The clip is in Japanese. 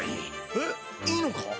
えっいいのか？